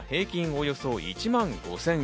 およそ１万５０００円。